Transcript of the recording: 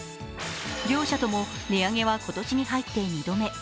両社とも値上げは今年に入って２度目。